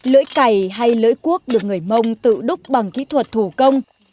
lưỡi cày hay lưỡi cuốc được người mông tự đúc bằng kỹ thuật thủ công